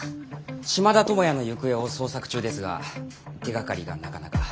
島田友也の行方を捜索中ですが手がかりがなかなか。